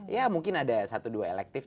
ya mungkin ada satu dua elektif